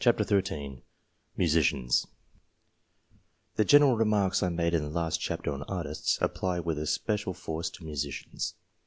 230 MUSICIANS MUSICIANS THE general remarks I made in the last chapter on artists, apply with especial force to Musicians.